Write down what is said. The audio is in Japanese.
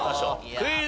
クイズ。